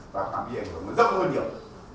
và phản biệt của người dân hơi nhiều